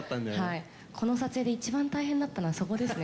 この撮影で一番大変だったのはそこですね。